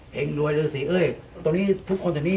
เห็งรวยฤษีทุกคนแบบนี้